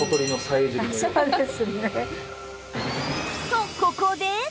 とここで